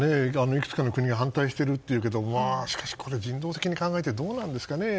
いくつかの国が反対してるっていうけどしかし人道的に考えてどうなんですかね。